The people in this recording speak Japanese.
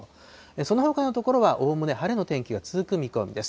そのほかの所はおおむね晴れの天気が続く見込みです。